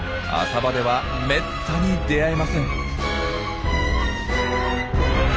浅場ではめったに出会えません。